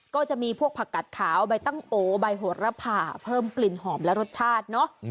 ก็จะมีพวกผักกัดขาวใบตั้งโอใบโหดระผ่าเพิ่มกลิ่นหอมและรสชาติเนอะ